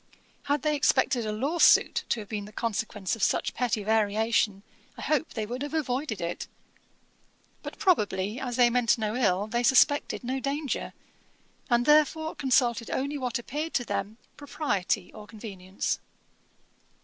Had they expected a lawsuit to have been the consequence of such petty variation, I hope they would have avoided it. But, probably, as they meant no ill, they suspected no danger, and, therefore, consulted only what appeared to them propriety or convenience.'